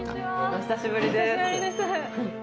お久しぶりです。